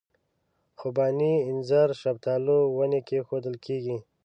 خوبانۍ اینځر شفتالو ونې کښېنول کېږي.